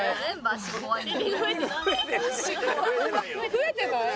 増えてないよ。